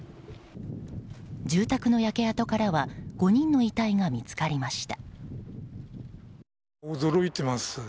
住宅の焼け跡からは５人の遺体が見つかりました。